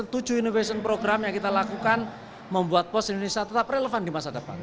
tujuh innovation program yang kita lakukan membuat pos indonesia tetap relevan di masa depan